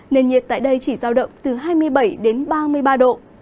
nền nhiệt tại đây chỉ giao động từ hai mươi bảy đến ba mươi ba độ